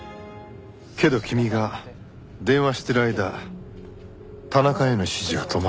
けど君が電話している間田中への指示は止まってた。